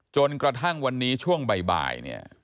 จนกระทั่งวันนี้ช่วงบ่ายเนี่ย